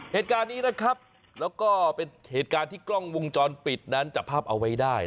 เหตุการณ์นี้นะครับแล้วก็เป็นเหตุการณ์ที่กล้องวงจรปิดนั้นจับภาพเอาไว้ได้